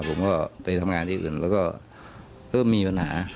ผมก็ไปทำงานที่อื่นแล้วก็เริ่มมีปัญหา